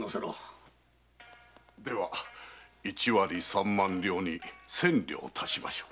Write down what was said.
では一割三万両に千両足しましょう。